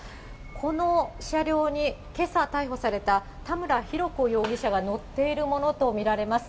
この車両に、けさ逮捕された田村浩子容疑者が乗っているものと見られます。